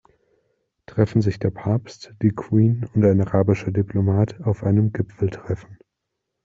Treffen sich der Papst, die Queen und ein arabischer Diplomat auf einem Gipfeltreffen.